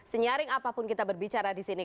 senyaring apapun kita berbicara disini